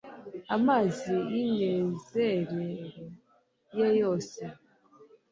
Amazi yimyizerere ye yose